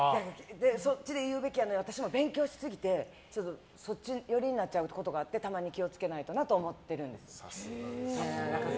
そっちで言うべきやのに私も勉強しすぎてそっち寄りになっちゃうことがあってたまに気を付けないとなと思ってるんです。